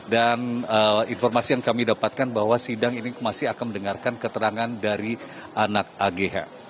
dan informasi yang kami dapatkan bahwa sidang ini masih akan mendengarkan keterangan dari anak agh